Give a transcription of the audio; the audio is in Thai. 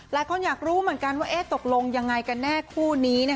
แล้วก็อยากรู้เหมือนกันว่าตกลงยังไงคู่นี้